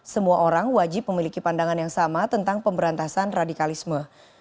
semua orang wajib memiliki pandangan yang sama tentang pemberantasan radikalisme